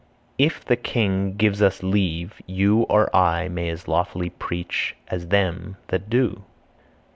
"If the king gives us leave you or I may as lawfully preach, as them that do."